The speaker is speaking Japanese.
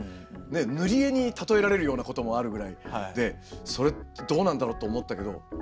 塗り絵に例えられるようなこともあるぐらいでそれってどうなんだろうと思ったけど。